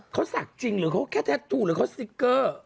เขาศักดิ์จริงหรือเขาแค่แท็ตทูหรือเขาสติ๊กเกอร์